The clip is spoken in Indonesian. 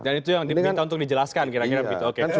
dan itu yang diminta untuk dijelaskan kira kira begitu